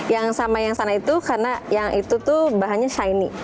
yang sama yang sana itu karena yang itu tuh bahannya shine